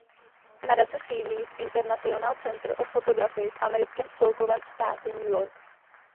Nadace sídlí v "International Center of Photography" v americkém spolkovém státě New York.